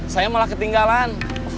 saya malah ketinggalan